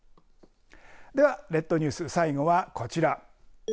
では列島ニュース最後はこちら。